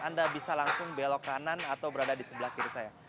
anda bisa langsung belok kanan atau berada di sebelah kiri saya